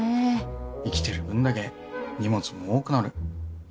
生きてる分だけ荷物も多くなる。